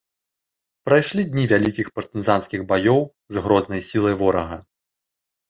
Прыйшлі дні вялікіх партызанскіх баёў з грознай сілай ворага.